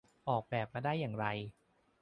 ออกแบบมาได้อย่างไร